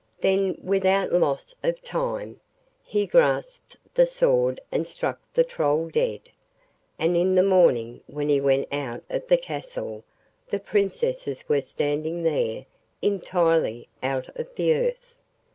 Then, without loss of time, he grasped the sword and struck the Troll dead, and in the morning when he went out of the castle the Princesses were standing there entirely out of the earth.